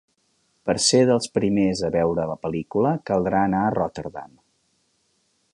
Per ser dels primers a veure la pel·lícula caldrà anar a Rotterdam.